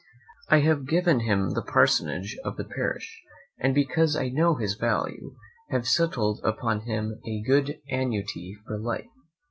I have given him the parsonage of the parish; and because I know his value, have settled upon him a good annuity for life.